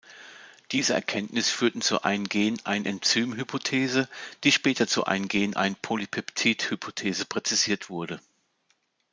Diese Erkenntnisse führten zur „Ein-Gen-ein-Enzym-Hypothese“, die später zur „Ein-Gen-ein-Polypeptid-Hypothese“ präzisiert wurde.